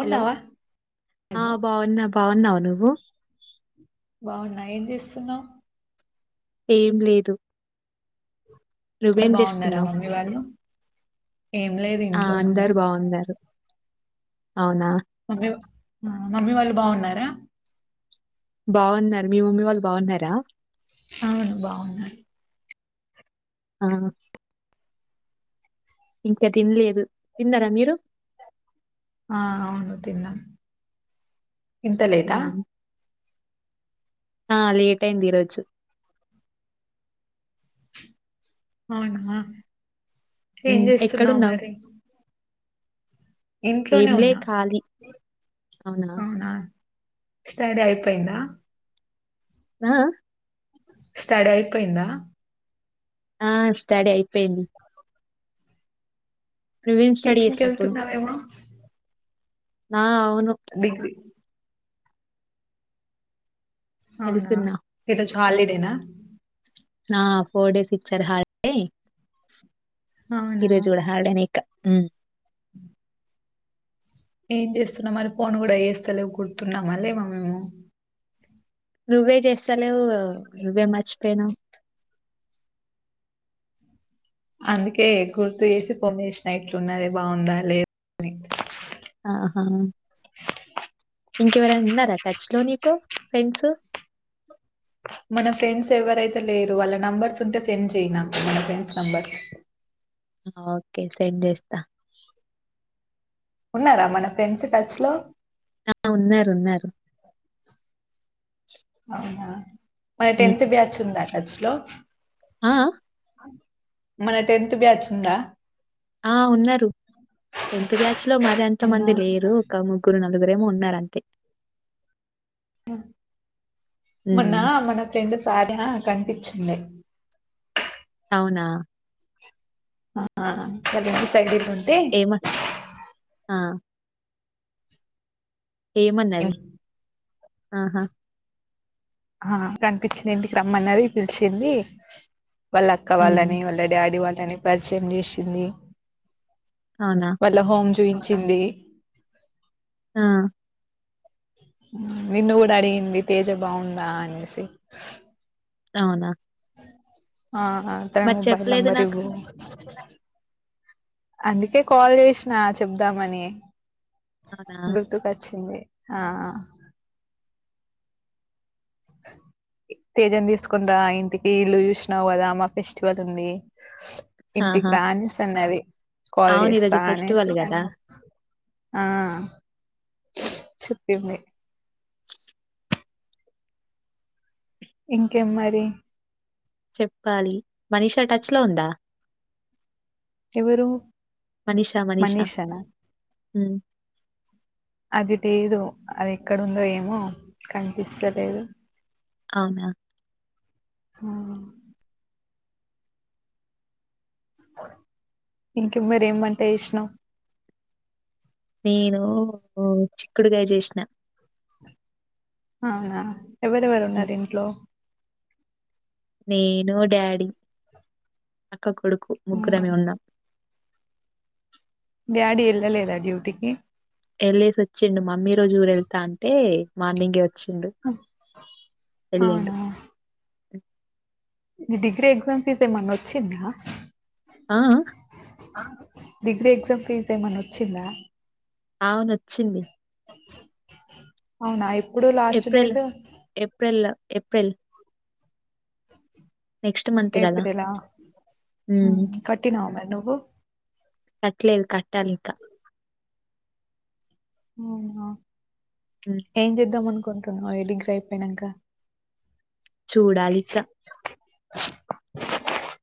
Hello! ఆ hello బాగున్నా, బాగున్నావా నువ్వు. బాగున్నా! ఏం జేస్తున్నావ? ఏం లేదు. అందరూ నువ్వేం బాగున్నారా? చేస్తున్నావు మమ్మీ వాళ్లు. ఆ ఉన్నా అందరు బాగున్నారు. అవునా! మమ్మీ. మమ్మీ వాళ్లు బాగున్నారా? బాగున్నారు, మీ మమ్మీ వాళ్లు బాగున్నారా? అవును, బాగున్నారు. ఆ. ఇంకా తినలేదు? తిన్నారా మీరు? ఆ, అవును. తిన్నం. ఇంత లేటా? ఉమ్, ఆ, లేట్ అయ్యింది ఈ రోజూ. అవునా, ఏం ఉమ్, చేస్తున్నావు ఎక్కడున్నావు మరి? ఇంట్లోనే ఏంలే ఉన్నా. ఖాళీ అవునా! స్టడీ అయిపోయిందా? మ్యామ్. స్టడీ అయిపోయిందా? ఆ, స్టడీ అయిపోయింది. నువ్వేం స్టడీ టీచింగ్ చేస్తావు ఇప్పుడు వెళ్తున్నావేమో. నా. [unintelligible] డిగీ. అవునా, వెళ్తున్నా ఈ రోజు హాలిడేనా? ఆ, ఫోర్ డేస్ ఇచ్చారు హోల్డే. ఈ అవునా రోజు కూడా హోల్డే నే. క, హ్మ్మ్. ఏం చేస్తున్నం మరి? ఫోన్ కూడా ఏస్తలేవు. గుర్తున్నామా మళ్లీ మాము? నువే చేస్తలే? నువే మర్చిపోయినవ్. అందుకే, గుర్తు జేసి కొనేశ్న. ఎట్లున్నదే? బాగుందా? లేదు అని. ఆహా! ఇంకెవరానా ఉన్నారా? టచ్ లో నీకు ఫ్రెండ్సూ? మన ఫ్రెండ్స్ ఎవరైతే లేరో, వాళ్ల నెంబర్స్ ఉంటే సెండ్ చేయి నాకూ. మన ఫ్రెండ్స్ నెంబర్స్. ఓకే సెండ్ చేస్తా. ఉన్నారా, మన ఫ్రెండ్స్ టచ్ లో? ఆ ఉన్నారు, ఉన్నారు. అవునా, మన హ్మ్. టెన్త్ బ్యాచ్ ఉందా టచ్‌లో? ఆ! ఆ! మన టెన్త్ బ్యాచ్ ఉందా? ఆ ఉన్నారు టెన్త్ బ్యాచ్ లో మరి అంత అవునా. మంది లేరు ఒక ముగ్గురు నలు నలుడుగురేమో ఉన్నారు అంతే మ్ మొన్న హ్మ్. మన ఫ్రెండ్ సాజన కనిపించ్చింది అవునా ఆ కలి సైడ్ ఇ ఉంట ఏమ ఆ ఏమన్నది ఆహా ఆ కనిపించింది ఇంటికి రమ్మన్నది పిలిచింది వాళ్ళ అక్క హ్మ్. వాళ్ళని వాళ్ళ డాడీ వాళ్ళని పరిచయం చేసింది అవునా? వాళ్ళ హోమ్ చూయించిింది ఆ మ్ నిన్ను కూడా అడిగింది తేజ బాగుందా అనేసి అవునా ఆ తన మరి మొబైల్ చెప్పలేదు నంబర్ నాకు. ఇవ్వు అందుకే కాల్ చేసిన చెప్దామని అవునా? గుర్తుకు అచ్చింది ఆహ [inaudible] తేజను తీసుకునీ రా ఇంటికి ఇల్లు చూసినావు కదా మా ఫెస్టివల్ ఉంది ఇంటికి ఆహా! రా అనేసి అన్నది కాల్ అవును ఈరోజు చేస్తా అనేసి ఫెస్టివల్ ఆన్ గదా! ఆ చెప్పింది ఇంకేం మరి చెప్పాలి మనీషా టచ్ లో ఉందా ఎవరు మనిషా మనిషా మనీషనా ఉ అది లేదు అది ఎక్కడుందో ఏమో కనిపిస్తలేదు అవునా ఊ ఇంట్లో మరే ఎం వంట చేసినవ్ నేను చిక్కుడుగాయ చేసినా అవునా ఎవరెవరు ఉన్నారు ఇంట్లో నేను డాడీ అక్క కొడుకు అవునా? ముగ్గురమే ఉన్నాం డాడీ వెళ్లలేదా డ్యూటీకి వెళ్సి వచ్చిండు మమ్మీ రోజు ఊరు వెళ్తా అంటే మార్నింగ్ ఎళ్ళిండు. అవునా మీ డిగ్రీ ఎగ్జామ్ ఫీజ్ ఏమన్న వచ్చిందా ఆ ఆ డిగ్రీ ఎగ్జామ్ ఫీజ్ ఏమన్న వచ్చిందా అవునోచ్చింది అవునా ఎప్పుడు లాస్ట్ ఏప్రిల్ డేట్ ఏప్రిల్‌లో ఏప్రిల్ నెక్స్ట్ మంత్ గదా! ఏప్రిలా హ్మ్. కట్టినవా మరి నువ్వు కట్లేదు కట్టాలి ఇంకా అ హ హ్మ్. ఏం చేద్దాం అనుకుంటున్నావు డిగ్రీ అయిపోయినంక చూడాలి ఇంకా [unintelligible]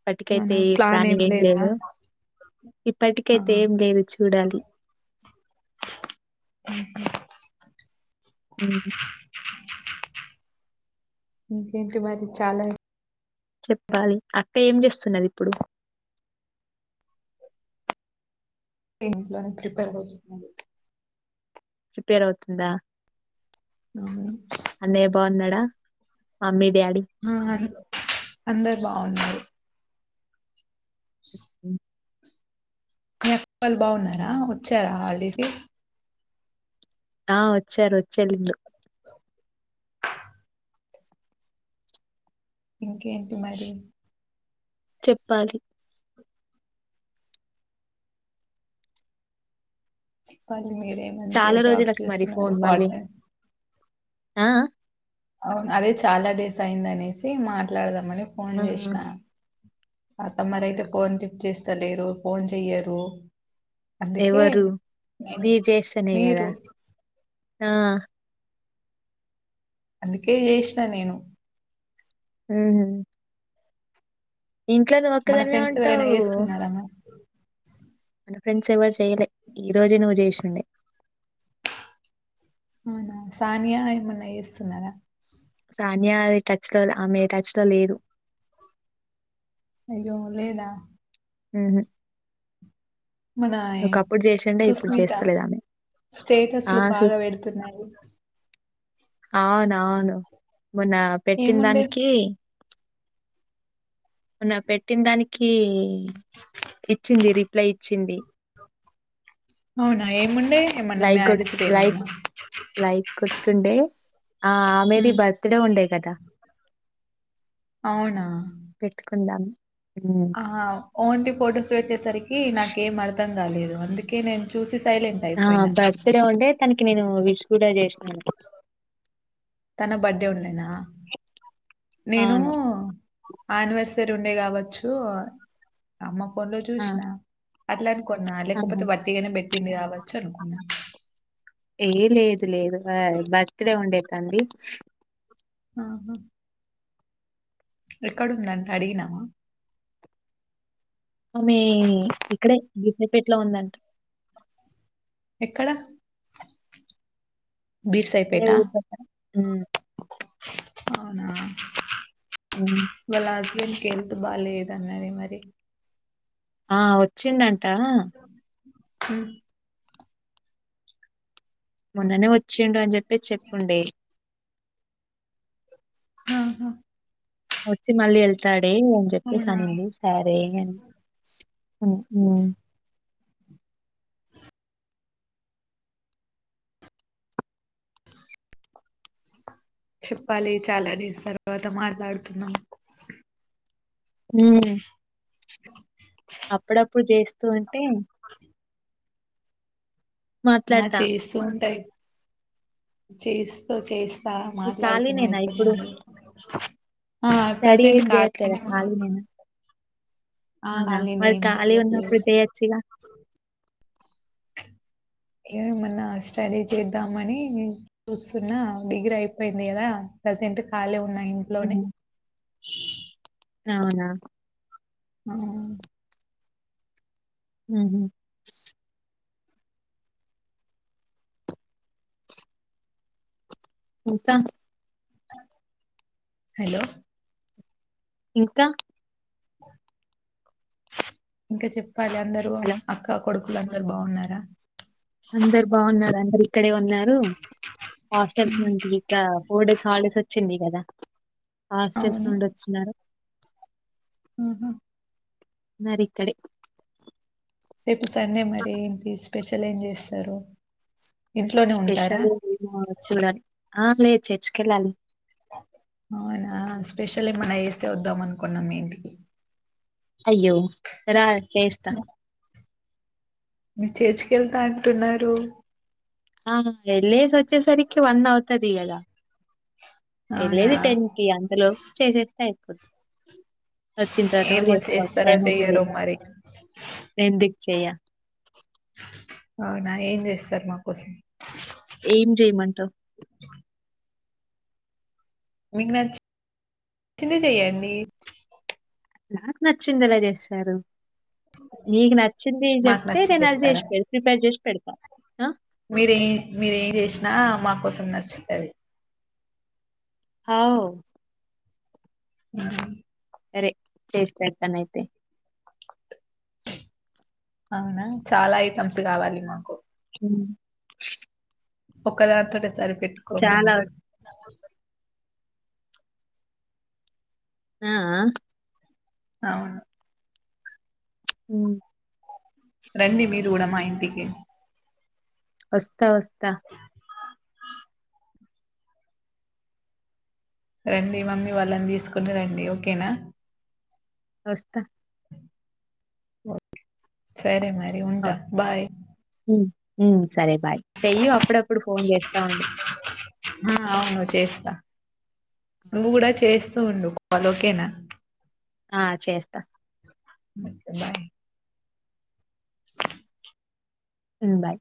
ప్పటికైతే అవునా ఏం ప్లాన్ ప్లానింగ్ లేదా లేదు ఆ ఇప్పటికైతే ఏం లేదు చూడాలి [unintelligible] ఉ హు ఇంకేంటి మరి చాలా చెప్పాలి అక్క ఏం చేస్తున్నది ఇప్పుడు ఇంట్లోనే ప్రిపేర్ అవుతుంది ప్రిపేర్ అవుతుందా అవును అన్నయ్య బాగున్నాడా ఆమె ఆహ అందరు బాగున్నారు హ్మ్. మీ అక్కలు బాగున్నారా వచ్చారా హాలిడేస్కి ఆ వచ్చారు వచ్చారు నిన్న ఇంకేంటి మరి చెప్పాలి పన్నీరే మంచిగా చాలా జాబ్ రోజులకి మరి చేస్తున్నారు ఫోన్ మళ్ళీ. పార్ట్న ఆ అవును అదే చాలా డేస్ అయింది అనేసి మాట్లాడదాంమని ఫోన్ ఆ! చేసినాను అవునా? అతమ్మరయితే ఫోన్ లిఫ్ట్ చేస్తలేరు ఫోన్ చేయరు ఎవరు మీరు చేస్తేనే గదా మీరు ఆ అందుకే చేసిన నేను ఆ ఇంట్లో నువ్ మన ఒక్కదానివే ఫ్రెండ్స్ ఎవరైనా ఉంటావు చేస్తున్నారా మరి మన ఫ్రెండ్స్ ఎవరు చేయలే ఈ రోజే నువ్వు చేసింది అవునా సానియా ఏమన్నా చేస్తుందా రా రమ్యా అది టచ్ లో ఆమె టచ్ లో లేదు అయ్యో లేదా ఉహు మన ఈ జేశుండే ఇప్పుడు సుస్మితా చేస్తలేదామె. ఆ! స్టేటస్లు బాగా పెడుతున్నాయి అవున అవును మొన్న పెట్టిన ఏముండే దానికి మొన్న పెట్టిన దానికి ఇచ్చింది రిప్లై ఇచ్చింది అవునా ఏమని లైక్ కొ ట్ లైక్ లైక్ కొట్టుండే ఆ ఆ మీది బర్త్డే ఉండే కదా అవునా హ్మ్. ఆహా ఓన్లీ ఫొటోస్ పెట్టేసరికి నాకేం అర్థం కాలేదు అందుకే నేను చూస్ ఆ బర్త్ డే ఉండే తనకి నేను విష్ కూడా చేసినాను తన బర్త్డే ఉండేనా నేను అవును. ఆనివర్స్ తిర్ ఉండే కావచ్చు అమ్మ ఫోన్ లో ఆ! చూసిన అట్లా కున్నా ఆహా! లేకపోతే వట్టిగానే పెట్టింది కావచ్చు అనుకున్నా ఏ లేదు లేదు ఆ బర్త్డే ఉండే తనది ఆహా ఎక్కడుందట అడిగినవా ఆమె ఇక్కడే విసయపేట్లో ఉందంట ఎక్కడ ఇక్కడే బీర్సైపేట ఊరి దగ్గర అవునా హ్మ్. బలాదే హెల్త్ బాలేదు అన్నది మరి ఆ వచ్చిందంట ఉ మొన్ననే వచ్చింది అని చెప్పి చెప్పండి ఆహా వచ్చి మళ్ళీ వెళ్తా సరే అని చెప్పేసి అవునా! అనింది సరే అని ఉ ఉ చెప్పాలి చాలా డేస్ తర్వాత మాట్లాడుతున్నాం మ్! [inaudible] అప్పుడప్పుడు చేస్తూ ఉంటే. ఆ మాట్లాడతా. చేస్తూ ఉంటాయి చేస్తూ చేస్త చ నువ్వు మాట్లాడుకున్నా ఖాళీనేనా ఇప్పుడు? [unintelligible] ఆ! స్టడీ ప్రజెంట్ ఏం చేయ్యట్లేదా ఖాళీనే ఉన్నా. ఖాళీ నేనా? ఆ! అవునా? ఖాళీనే మరి ఏం ఖాళీ ఉన్నప్పుడు చెయ్యట్లేదు. చేయొచ్చుగా? ఏమన్నా స్టడీ చేద్దామని చూస్తున్నా డిగ్రీ అయిపోయింది కదా. ప్రజెంట్ ఖాళీ ఉన్నా ఇంట్లోనే. హ్మ్. అవునా? ఆ! ఉ హు! [unintelligible] హలో! ఇంకా. ఇంకా చెప్పాలి. అందరూ హలో! అక్కా, కొడుకు లందరు బావున్నారా? అందరూ బావున్నారండి. ఇక్కడే ఉన్నారు. హాస్టల్స్ హ్మ్. నిండి ఇక ఫోర్డేస్. ఫ్లాల్ హాలీడేస్ వచ్చింది కదా. హాస్టల్స్ నుండి వచ్చినరు. హు హూ! నాదిక్కడే. రేపు సండే మరీ, స్పెషల్ ఏం చేస్తారు? ఇంట్లోనే ఉంటారా? స్పెషల్ చూడాలి ఆ లేదు చర్చ్ కి వెళ్లాలి. అవునా? స్పెషల్ ఏమన్నా చేస్తే వద్దాం అనుకున్నాం మీఇంటికి. అయ్యో రా అట్లే చేస్తా. మీరు చర్చ్ కెళ్తాంటున్నారు. ఆ యెల్లేసి వచ్చేసరికి వన్ అవుతాది గదా. అవునా! ఎల్లేది టెన్ కి అంతలో చేసేసే అయిపోద్ది. వచ్చిన తర్వాత కూడా ఏమో చేసుకోవచ్చు చేస్తారో టైం ఉంటుంది చెయ్యరో మరి. ఏంది? చెయ అవునా? ఏం చేస్తారు మా కోసం. ఏం చేయమంటావు? మీకు నచ్చి నచ్చినది చేయండి. నాకు నచ్చింది ఎలా చేస్తారు? నీకు నచ్చింది మాకు చెప్తే, నచ్చింది నేను అది చేసి ప్రిపేర్ చేసి పెడతా. మీరేం మీరేం చేసినా మా కోసం నచ్చుతాది. అవ్ మ్ హు సరే, చేసిపెడతాను అయితే. అవునా, చాలా ఐటమ్స్ కావాలి మాకు. [inaudible] ఒకదానితోటె సరి పెట్టుకోము మేము. చాలా ఆ ఆ అవును. మ్ రండి మీరు గుడా మా ఇంటికి. వస్తా వస్తా. రండి మమ్మీ వాళ్ళని తీసుకుని రండి ఓకే నా. వస్తా. సరే మరి ఉంటా బై. మ్! సరే బై చెయ్యి అప్పుడప్పుడు ఫోన్ చేస్తా ఉండు. మ్! ఆ చేస్తా. ఓ, నువ్వు కూడా చేసా. హ్మ్! [unintelligible] ఒకేనా ఆ చేస్తా. By by